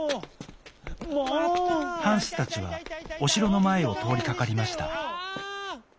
ハンスたちはおしろのまえをとおりかかりました。